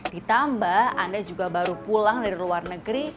ditambah anda juga baru pulang dari luar negeri